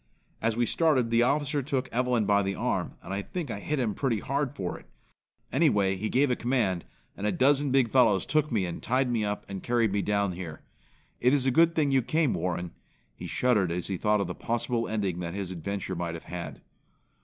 As we started, the officer took Evelyn by the arm, and I think I hit him pretty hard for it. Anyway he gave a command, and a dozen big fellows took me and tied me up and carried me down here. It is a good thing you came, Warren." He shuddered as he thought of the possible ending that his adventure might have had.